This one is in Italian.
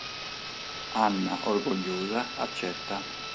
Anna, orgogliosa, accetta.